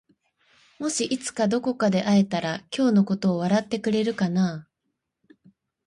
もしいつかどこかで会えたら今日のことを笑ってくれるかな？